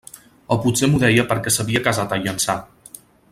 O potser m'ho deia perquè s'havia casat a Llançà.